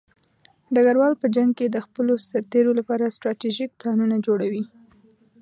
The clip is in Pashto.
ډګروال په جنګ کې د خپلو سرتېرو لپاره ستراتیژیک پلانونه جوړوي.